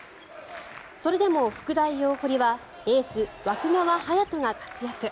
それでも福大大濠はエース、湧川颯斗が活躍。